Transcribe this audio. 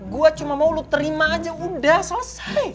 gue cuma mau lu terima aja udah selesai